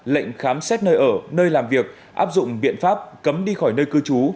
lệnh khám xét nơi ở nơi làm việc áp dụng biện pháp cấm đi khỏi nơi cư trú